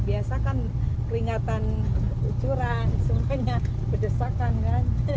biasa kan keringatan ucuran seumpenya pedesakan kan